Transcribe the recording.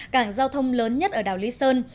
cảng giao thông lớn nhất ở đảo lý sơn